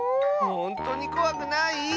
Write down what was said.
ほんとにこわくない？